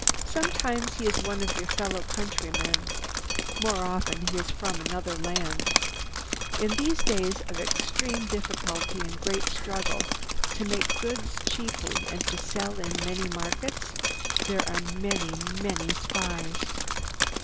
"Sometimes he is one of your fellow countrymen. More often he is from another land. In these days of extreme difficulty and great struggle to make goods cheaply and to sell in many markets, there are many, many spies.